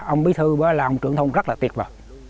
ông bí thư là ông trưởng thôn rất là tuyệt vời